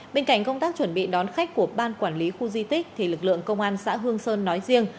bên cạnh công tác chuẩn bị đón khách của ban quản lý khu di tích thì lực lượng công an xã hương sơn nói riêng